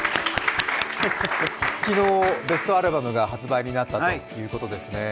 昨日ベストアルバムが発売になったということですね。